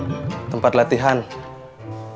kamu nanti latihan di tempat saya dulu latihan aja